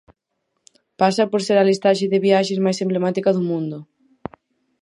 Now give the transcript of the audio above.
Pasa por ser a listaxe de viaxes máis emblemática do mundo.